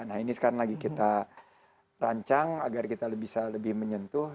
nah ini sekarang lagi kita rancang agar kita bisa lebih menyentuh